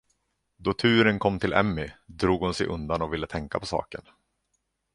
Då turen kom till Emmy, drog hon sig undan och ville tänka på saken.